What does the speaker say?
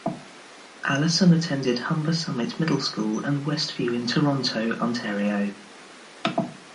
Allison attended Humber Summit Middle School and Westview in Toronto, Ontario.